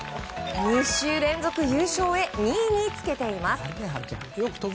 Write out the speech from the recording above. ２週連続優勝へ２位につけています。